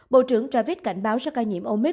bộ trưởng travis cảnh báo sắc ca nhiễm omicron